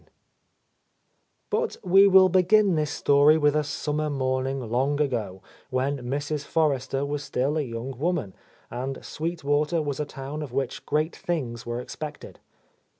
II B ut we will begin this story with a summer morning long ago, when Mrs. Forrester was still a young woman, and Sweet Water was a town of which great things were expected.